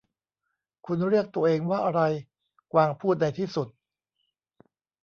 'คุณเรียกตัวเองว่าอะไร ?' กวางพูดในที่สุด